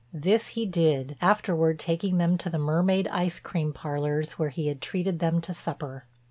This he did, afterward taking them to the Mermaid Ice Cream Parlors where he had treated them to supper.